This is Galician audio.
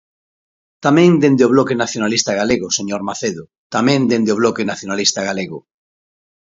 Tamén dende o Bloque Nacionalista Galego, señor Macedo; tamén dende o Bloque Nacionalista Galego.